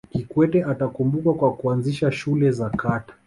kikwete atakumbukwa kwa kuanzisha shule za kata